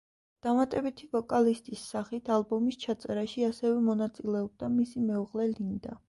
დამატებითი ვოკალისტის სახით ალბომის ჩაწერაში ასევე მონაწილეობდა მისი მეუღლე, ლინდა.